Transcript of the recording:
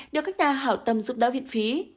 được các nhà hảo tâm giúp đỡ viện phí